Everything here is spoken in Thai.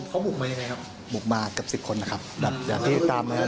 เขาบุกมายังไงครับบุกมาเกือบสิบคนนะครับแบบอย่างที่ตามนะครับ